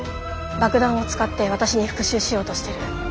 爆弾を使って私に復讐しようとしてる。